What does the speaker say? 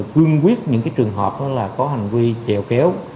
quyên quyết những trường hợp có hành vi chèo kéo